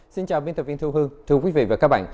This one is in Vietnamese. xin chào biên tập viên thu hương thưa quý vị và các bạn